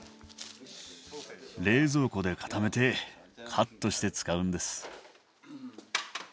冷蔵庫で固めてカットして使うんです。